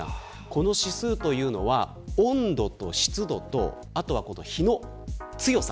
この指数というのは温度と湿度と日の強さ